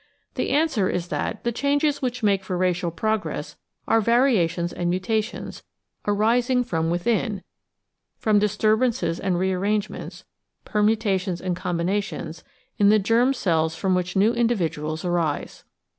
The answer is that the changes which make for racial progress are variations and mutations — arising from within, from disturbances and rear rangements, permutations and combinations, in the germ cells from which new individuals arise.